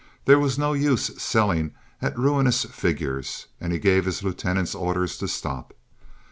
There was no use selling at ruinous figures, and he gave his lieutenants orders to stop.